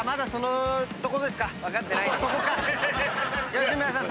吉村さん